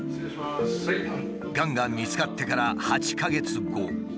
がんが見つかってから８か月後。